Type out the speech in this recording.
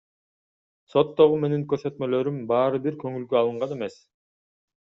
Соттогу менин көрсөтмөлөрүм баары бир көңүлгө алынган эмес.